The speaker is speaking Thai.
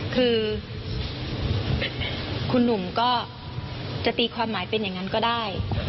คือคุณหนุ่มก็จะตีความหมายเป็นอย่างนั้นก็ได้